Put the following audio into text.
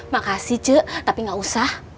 makasih cek tapi gak usah